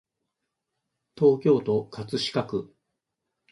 東京都葛飾区